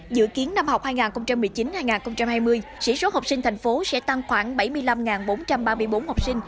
dự kiến năm học hai nghìn một mươi chín hai nghìn hai mươi sĩ số học sinh thành phố sẽ tăng khoảng bảy mươi năm bốn trăm ba mươi bốn học sinh